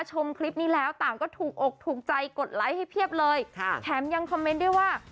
ชมคลิปนี้แล้วต่างก็ถูกอกถูกใจกดไลค์ให้เพียบเลยค่ะแถมยังคอมเมนต์ด้วยว่า